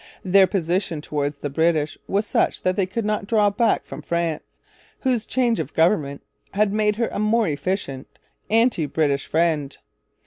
Their position towards the British was such that they could not draw back from France, whose change of government had made her a more efficient anti British friend.